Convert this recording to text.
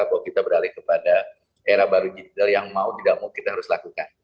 bahwa kita beralih kepada era baru digital yang mau tidak mau kita harus lakukan